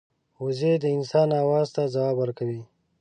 وزې د انسان آواز ته ځواب ورکوي